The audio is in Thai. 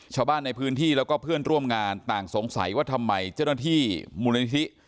ชาวบ้านในพื้นที่แล้วก็เพื่อนร่วมงานต่างสงสัยว่าทำไมเจ้าหน้าที่มูลนิธิ